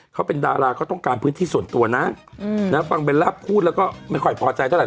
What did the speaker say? เขาเป็นดาราเขาต้องการพื้นที่ส่วนตัวนะฟังเบลล่าพูดแล้วก็ไม่ค่อยพอใจเท่าไ